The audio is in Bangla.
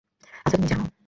আচ্ছা, তুমি জানো?